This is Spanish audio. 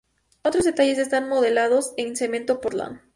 Otros detalles están modelados en cemento portland.